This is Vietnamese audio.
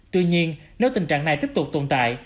tuy nhiên nếu tình trạng này tiếp tục tồn tại